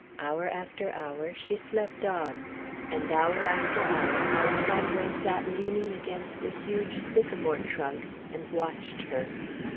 Hour after hour she slept on. And hour after hour Alessandro sat leaning against a huge sycamore trunk, and watched her.